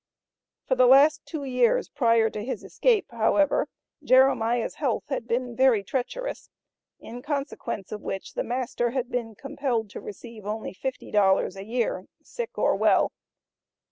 For the last two years prior to his escape, however, Jeremiah's health had been very treacherous, in consequence of which the master had been compelled to receive only $50 a year, sick or well.